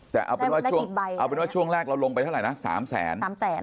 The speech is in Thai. แต่เอาเป็นว่าช่วงแรกเราลงไปเท่าไหร่นะ๓แสน